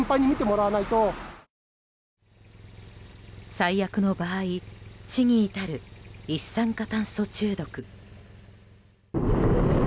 最悪の場合死に至る一酸化炭素中毒。